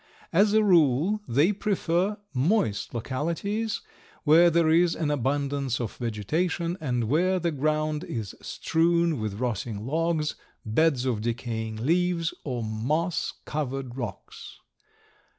As a rule, they prefer moist localities, where there is an abundance of vegetation and where the ground is strewn with rotting logs, beds of decaying leaves or moss covered rocks.